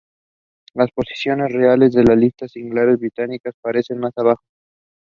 William Alexander Scott and Emmeline Southall Scott.